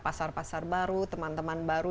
pasar pasar baru teman teman baru